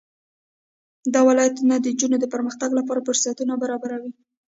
دا ولایتونه د نجونو د پرمختګ لپاره فرصتونه برابروي.